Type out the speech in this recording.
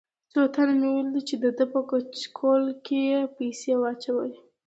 څو تنه مې ولیدل چې دده په کچکول کې یې پیسې واچولې.